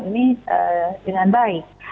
ini dengan baik